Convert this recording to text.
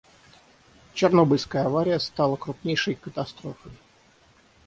Чернобыльская авария стала крупнейшей катастрофой.